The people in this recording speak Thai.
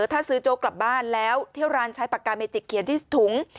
ถ้าซื้อโจ๊กกลับบ้านแล้วเที่ยวร้านใช้ปากกาเมจิกเขียนที่ถุง